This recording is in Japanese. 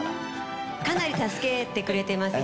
かなり助けてくれてます。